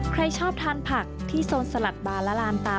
ใครชอบทานผักที่โซนสลัดบาและลานตา